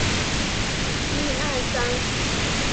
担任广州军区政治部战士文工团三队队长。